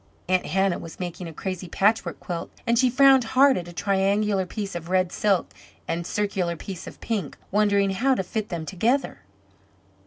Aunt Hannah was making a crazy patchwork quilt, and she frowned hard at a triangular piece of red silk and circular piece of pink, wondering how to fit them together.